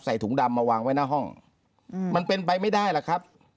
ถุงดำมาวางไว้หน้าห้องมันเป็นไปไม่ได้ล่ะครับ